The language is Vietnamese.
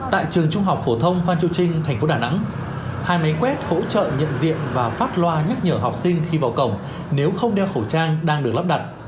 tại trường trung học phổ thông phan chu trinh thành phố đà nẵng hai máy quét hỗ trợ nhận diện và phát loa nhắc nhở học sinh khi vào cổng nếu không đeo khẩu trang đang được lắp đặt